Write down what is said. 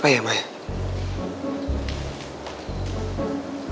papa kamu masih marah sama mama